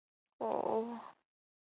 滨海埃尔芒维尔。